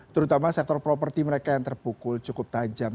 terutama sektor properti mereka yang terpukul cukup tajam